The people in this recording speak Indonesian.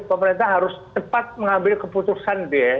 pemerintah harus cepat mengambil keputusan gitu ya